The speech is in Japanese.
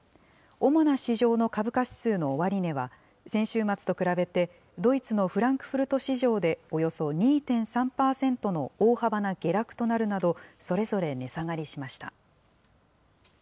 主な市場の株価指数の終値は、先週末と比べてドイツのフランクフルト市場でおよそ２．３％の大幅な下落となるなど、それぞれ値下がりしました。